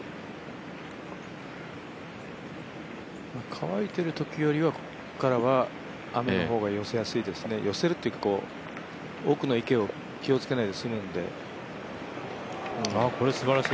乾いてるときよりはここからは雨の方が寄せやすいですね寄せるというより、奥の池を気をつけないで済むので。